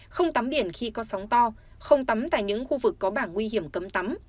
không tắm biển khi có sóng to không tắm tại những khu vực có bảng nguy hiểm cấm tắm